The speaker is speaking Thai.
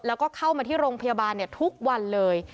แล้วก็เข้ามาที่โรงพยาบาลทุกวันเลย